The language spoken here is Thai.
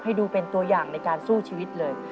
ให้ดูเป็นตัวอย่างในการสู้ชีวิตเลย